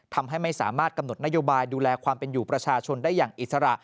ทำให้ไม่สามารถกำหนดนโยบายดูแลความเป็นอยู่ประชาชนได้อย่างอิสระ